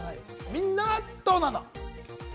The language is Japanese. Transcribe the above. みんなはどうなの！